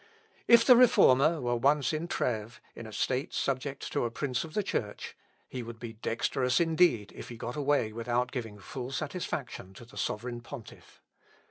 If the Reformer were once in Trèves, in a state subject to a prince of the Church, he would be dexterous indeed if he got away without giving full satisfaction to the sovereign pontiff.